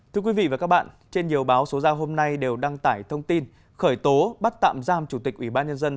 thưa quý vị và các bạn trên nhiều báo số giao hôm nay đều đăng tải thông tin khởi tố bắt tạm giam chủ tịch ủy ban nhân dân